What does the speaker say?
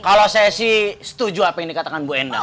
kalau saya sih setuju apa yang dikatakan bu enda